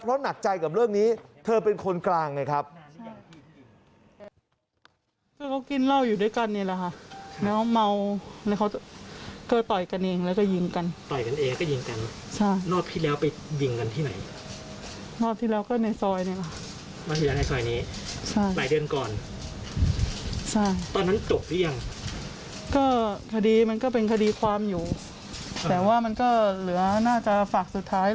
เพราะหนักใจกับเรื่องนี้เธอเป็นคนกลางไงครับ